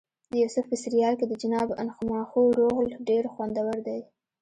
د یوسف په سریال کې د جناب انخماخو رول ډېر خوندور دی.